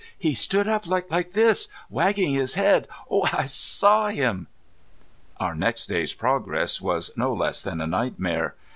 He stood up like this wagging his head. Oh! I saw him!" Our next day's progress was no less than a nightmare.